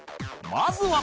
まずは